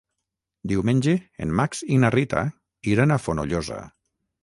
Diumenge en Max i na Rita iran a Fonollosa.